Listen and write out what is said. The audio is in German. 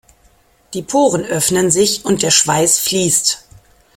Die Poren öffnen sich und der Schweiß fließt.